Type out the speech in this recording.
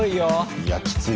いやきつい。